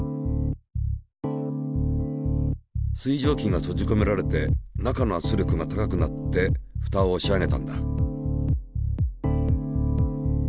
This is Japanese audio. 水蒸気が閉じこめられて中の圧力が高くなってふたをおし上げたんだ。